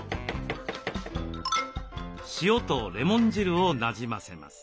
塩とレモン汁をなじませます。